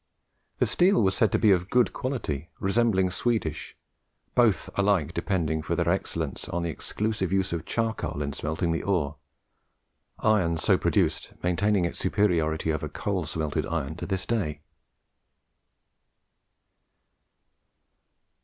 The steel was said to be of good quality, resembling Swedish both alike depending for their excellence on the exclusive use of charcoal in smelting the ore, iron so produced maintaining its superiority over coal smelted iron to this day.